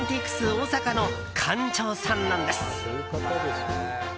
大阪の館長さんなんです。